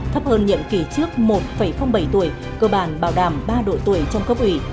thấp hơn nhiệm kỳ trước một bảy tuổi cơ bản bảo đảm ba độ tuổi trong cấp ủy